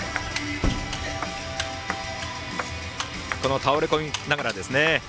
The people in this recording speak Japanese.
倒れ込みながらですね。